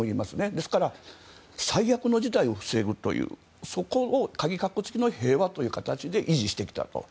ですから最悪の事態を防ぐというそこをかぎかっこつきの平和という形で維持してきたと。